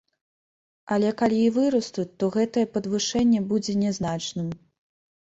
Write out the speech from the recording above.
Але калі і вырастуць, то гэтае падвышэнне будзе нязначным.